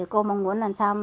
cô mong muốn lần sau